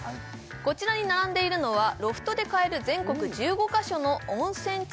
こちらに並んでいるのはロフトで買える全国１５か所の温泉地